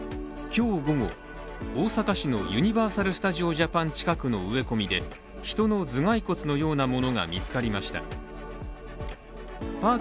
今日午後、大阪市のユニバーサル・スタジオ・ジャパン近くの植え込みで人の頭蓋骨のようなものが見つかりました。